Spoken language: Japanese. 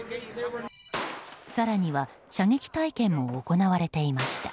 更には、射撃体験も行われていました。